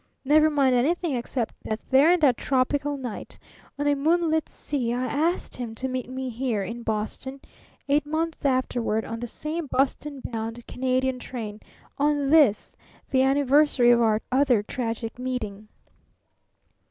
Never mind anything except that there, in that tropical night on a moonlit sea, I asked him to meet me here, in Boston, eight months afterward on the same Boston bound Canadian train on this the anniversary of our other tragic meeting."